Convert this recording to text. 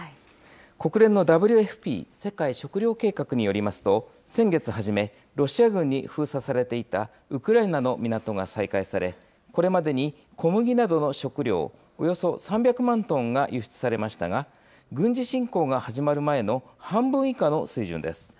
国連のＷＦＰ・世界食糧計画によりますと、先月初め、ロシア軍に封鎖されていたウクライナの港が再開され、これまでに小麦などの食糧およそ３００万トンが輸出されましたが、軍事侵攻が始まる前の半分以下の水準です。